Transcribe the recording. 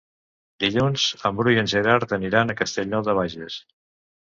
Dilluns en Bru i en Gerard aniran a Castellnou de Bages.